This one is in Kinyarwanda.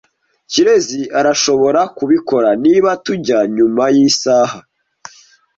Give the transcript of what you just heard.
Kirezi arashobora kubikora niba tujya nyuma yisaha.